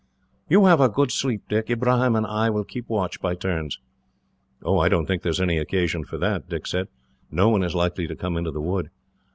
"You have a good sleep, Dick. Ibrahim and I will keep watch, by turns." "I don't think there is any occasion for that," Dick said. "No one is likely to come into the wood."